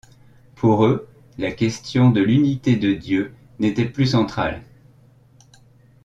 Pour eux, la question de l'unité de Dieu n'était plus centrale.